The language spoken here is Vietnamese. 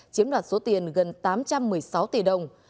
chiếm đoạt số tiền gần tám trăm một mươi sáu tỷ đồng